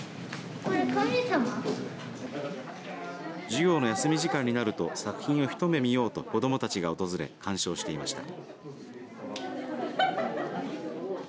授業の休み時間になると作品を一目見ようと子どもたちが訪れ鑑賞していました。